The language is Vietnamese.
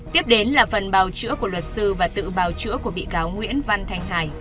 tiếp đến là phần bào chữa của luật sư và tự bào chữa của bị cáo nguyễn văn thanh hải